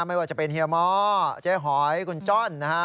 ไม่ว่าจะเป็นเฮียม้อเจ๊หอยคุณจ้อนนะฮะ